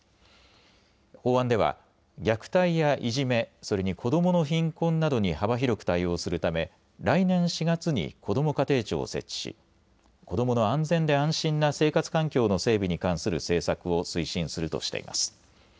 法案では虐待やいじめ、それに子どもの貧困などに幅広く対応するため来年４月にこども家庭庁を設置し子どもの安全で安心な生活環境の整備に関する政策を推進するとしています。